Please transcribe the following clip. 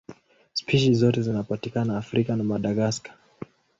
Spishi zote zinatokea Afrika na Madagaska.